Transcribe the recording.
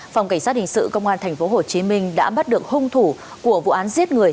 phòng cảnh sát hình sự công an tp hcm đã bắt được hung thủ của vụ án giết người